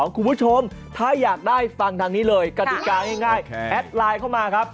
คุณผู้ชมถ้าอยากได้ฟังทางนี้เลยกฎิกาง่ายแอดไลน์เข้ามาครับ